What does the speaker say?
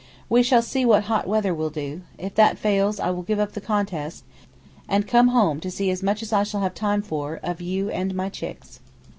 We shall see what hot weather will do; if that fails I will give up the contest, and come home to see as much as I shall have time for of you and my chicks.